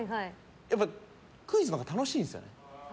やっぱ、クイズのほうが楽しいんですよね。